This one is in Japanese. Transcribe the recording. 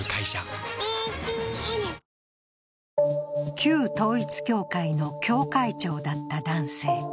旧統一教会の教会長だった男性。